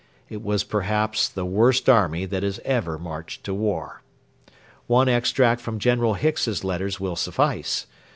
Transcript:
It was perhaps the worst army that has ever marched to war. One extract from General Hicks's letters will suffice.